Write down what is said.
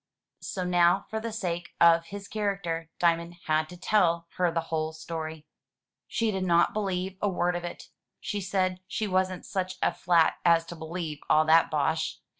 So now, for the sake of his character. Diamond had to tell her the whole story. She did not believe a word of it. She said she wasn't such a flat as to believe all that bosh.